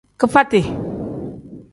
Kifati.